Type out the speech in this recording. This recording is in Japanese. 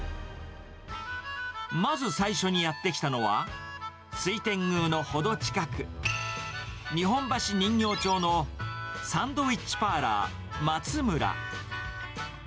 まず最初にやって来たのは、水天宮のほど近く、日本橋人形町のサンドウィッチパーラーまつむら。